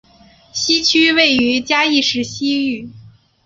西区位于嘉义市西隅。